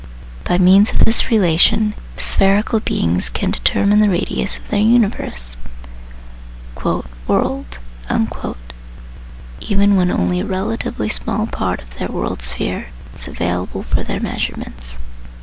By means of this relation the spherical beings can determine the radius of their universe (" world "), even when only a relatively small part of their worldsphere is available for their measurements.